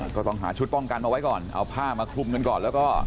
ก็ต้องหาชุดป้องกันเอาไว้ก่อนเอาผ้ามาคลุมกันก่อนแล้วก็